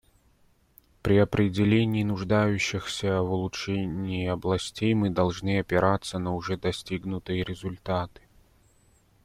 При определении нуждающихся в улучшении областей мы должны опираться на уже достигнутые результаты.